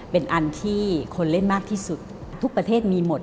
เป็นอันที่คนเล่นมากที่สุดทุกประเทศมีหมด